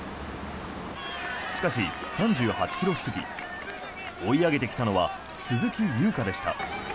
しかし、３８ｋｍ過ぎ追い上げてきたのは鈴木優花でした。